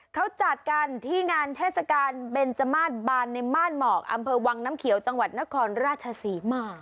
เขาจัดกันที่งานเทศกาลเบนจมาสบานในม่านหมอกอำเภอวังน้ำเขียวจังหวัดนครราชศรีมา